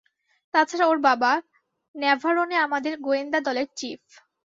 তাছাড়া ওর বাবা ন্যাভারোনে আমাদের গোয়েন্দা দলের চিফ।